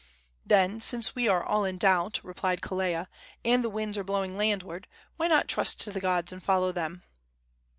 "Then, since we are all in doubt," replied Kelea, "and the winds are blowing landward, why not trust to the gods and follow them?"